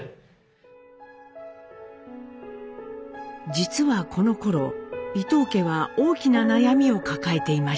実はこのころ伊藤家は大きな悩みを抱えていました。